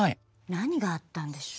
何があったんでしょう？